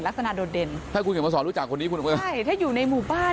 ลักษณะโดดเด่นถ้าคุณจะมาสอนรู้จักคนนี้เขาใช่ถ้าอยู่ในมุมบ้าน